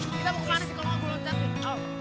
kita mau kemana sih kalau gak boleh lontet